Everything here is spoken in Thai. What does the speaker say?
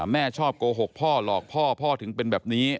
แม่ชอบโกหกพ่อหลอกพ่อพ่อถึงเป็นแบบนี้